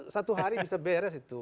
satu hari bisa beres itu